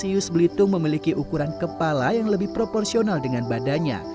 sius belitung memiliki ukuran kepala yang lebih proporsional dengan badannya